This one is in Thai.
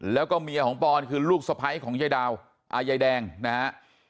แล้วก็เมียของปอนคือลูกสะพ้ายของยายดาวยายแดงนะฮะ